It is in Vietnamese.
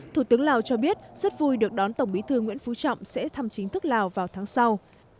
thủ tướng lào cho biết rất vui được đón tổng bí thư nguyễn phú trọng sẽ thăm chính thức lào vào tháng sau